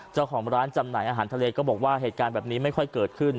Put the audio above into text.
เจ้าของร้านจำหน่ายอาหารทะเลก็บอกว่าเหตุการณ์แบบนี้ไม่ค่อยเกิดขึ้น